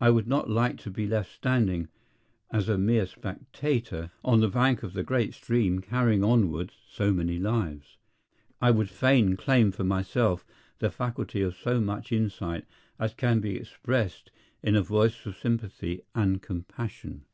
I would not like to be left standing as a mere spectator on the bank of the great stream carrying onward so many lives. I would fain claim for myself the faculty of so much insight as can be expressed in a voice of sympathy and compassion.